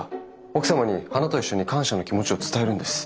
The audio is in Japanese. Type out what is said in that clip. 奥様に花と一緒に感謝の気持ちを伝えるんです。